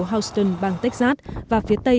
houston bang texas và phía tây